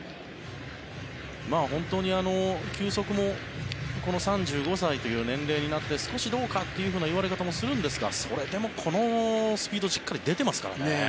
本当に球速もこの３５歳という年齢になって少しどうかという言われ方もするんですがそれでもこのスピードしっかり出てますからね。